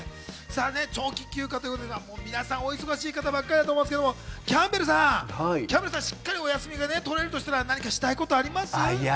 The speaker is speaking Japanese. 長期休暇ということで皆さんお忙しい方ばかりだと思いますがキャンベルさん、しっかりお休みが取れるとしたら、したいことありますか？